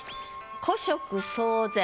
「古色蒼然」